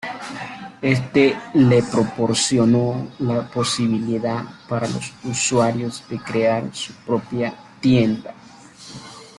Este le proporcionó la posibilidad para los usuarios de crear su propia tienda.